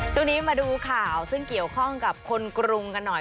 ช่วงนี้มาดูข่าวซึ่งเกี่ยวข้องกับคนกรุงกันหน่อย